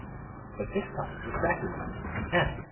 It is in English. But this time the Sakumow (M.)